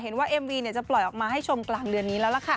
เอ็มวีจะปล่อยออกมาให้ชมกลางเดือนนี้แล้วล่ะค่ะ